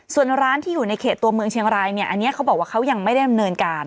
ส่วนร้านที่อยู่ในเขตตัวเมืองเชียงรายเนี่ยอันนี้เขาบอกว่าเขายังไม่ได้ดำเนินการ